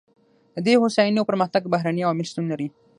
د دې هوساینې او پرمختګ بهرني عوامل شتون لري.